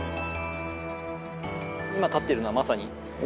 今立ってるのはまさに。